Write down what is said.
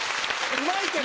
うまいけど！